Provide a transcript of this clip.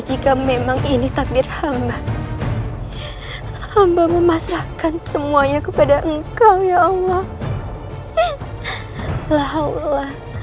jika memang ini takmir hamba hamba memasrahkan semuanya kepada engkau ya allah lah allah